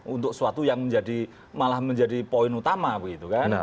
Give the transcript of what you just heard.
untuk suatu yang malah menjadi poin utama begitu kan